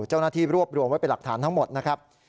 เจ้าหน้าที่รวบรวมไว้เป็นหลักฐานทั้งหมดนะครับ